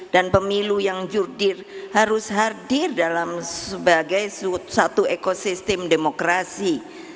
dan pemilu yang judir harus hadir dalam sebagai satu ekosistem demokrasi